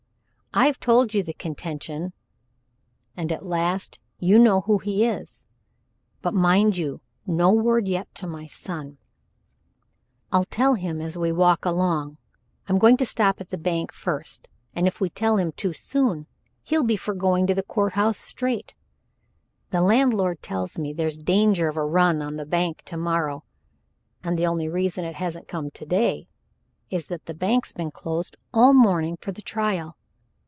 I've told you the contention and at last you know who he is but mind you, no word yet to my son. I'll tell him as we walk along. I'm to stop at the bank first, and if we tell him too soon, he'll be for going to the courthouse straight. The landlord tells me there's danger of a run on the bank to morrow and the only reason it hasn't come to day is that the bank's been closed all the morning for the trial.